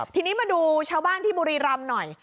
ทีนี้มาดูชาวบ้านที่บุรีรำหน่อย